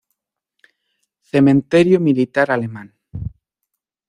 Cementerio militar alemán.